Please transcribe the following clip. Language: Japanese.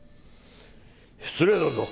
失礼だぞ！